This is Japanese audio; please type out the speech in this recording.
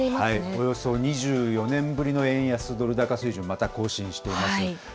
およそ２４年ぶりの円安ドル高水準、また更新しています。